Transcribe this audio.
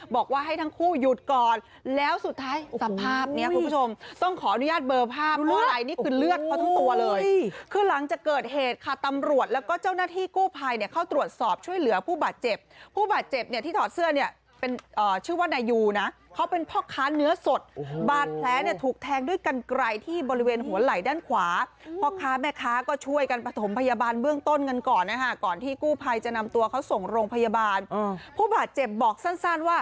บอกว่าให้ทั้งคู่หยุดก่อนแล้วสุดท้ายสัมภาพเนี้ยคุณผู้ชมต้องขอนุญาตเบอร์ภาพเพราะอะไรนี่คือเลือดเพราะทั้งตัวเลยคือหลังจะเกิดเหตุค่ะตำรวจแล้วก็เจ้าหน้าที่กู้ภัยเนี้ยเขาตรวจสอบช่วยเหลือผู้บาดเจ็บผู้บาดเจ็บเนี้ยที่ถอดเสื้อเนี้ยเป็นอ่าชื่อว่านายูนะเขาเป็นพ่อค้าเนื้อสด